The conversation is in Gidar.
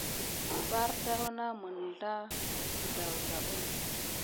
Bardaz na zef mizlama de dasmin.